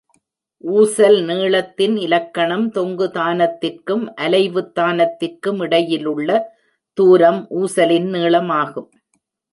ஊசல் நீளத்தின் இலக்கணம் தொங்குதானத்திற்கும், அலைவுத்தானத்திற்கும் இடையிலுள்ள தூரம் ஊசலின் நீளமாகும்.